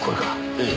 ええ。